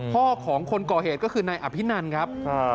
พ่อของคนก่อเหตุก็คือนายอภินันครับ